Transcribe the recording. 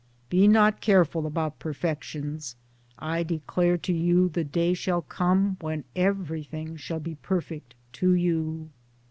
Be not careful about perfections : I declare to you the day shall come when everything shall be perfect to you.